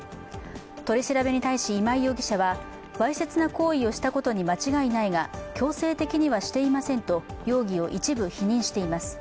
取り調べに対し、今井容疑者は、わいせつな行為しをしたことに間違いないが、強制的にはしていませんと容疑を一部否認しています。